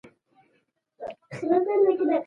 د ماشوم سر په دېوال ولگېد.